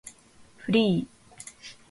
フリー